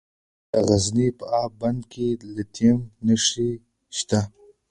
د غزني په اب بند کې د لیتیم نښې شته.